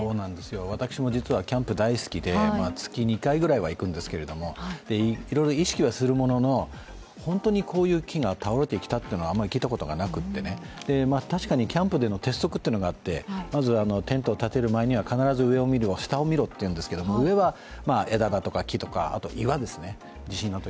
私も実はキャンプ大好きで、月２回ぐらいは行くんですけれどもいろいろ意識はするものの、本当にこういう木が倒れてきたというのは聞いたことがなくて確かにキャンプでの鉄則というのがあって、まずテントを立てる前には必ず上と下を見ろというんですけど、上は枝だとか木とか、あとは岩ですね、地震の時。